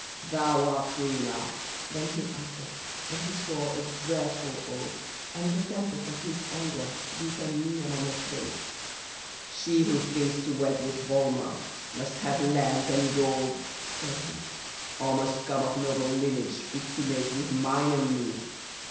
"' Thou art Rena,' then he uttered, and he swore a dreadful oath, And the tempest of his anger beat on me and on us both. "^ She who thinks to wed with Volmar must have lands and gold,' said he, * Or must come of noble lineage, fit to mate with mine and me